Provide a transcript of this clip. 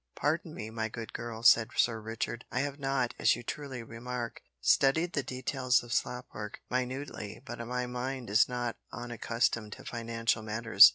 "Pardon me, my good girl," said Sir Richard, "I have not, as you truly remark, studied the details of slop work minutely, but my mind is not unaccustomed to financial matters.